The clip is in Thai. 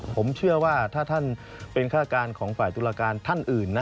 ผมเชื่อว่าถ้าท่านเป็นฆาตการของฝ่ายตุลาการท่านอื่นนะ